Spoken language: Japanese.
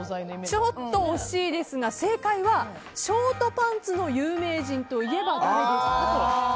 ちょっと惜しいですが正解はショートパンツの有名人といえば誰ですか？と。